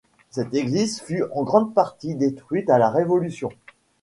Cette église fut en grande partie détruite à la Révolution.